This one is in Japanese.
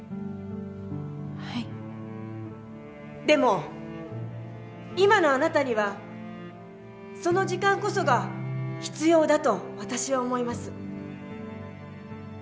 でも今のあなたにはその時間こそが必要だと私は思います。